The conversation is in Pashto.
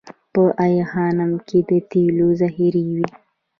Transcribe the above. په ای خانم کې د تیلو ذخیرې وې